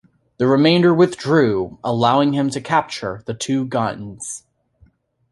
The remainder withdrew, allowing him to capture the two guns.